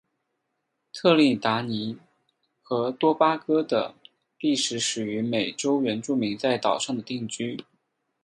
特立尼达和多巴哥的历史始于美洲原住民在岛上的定居。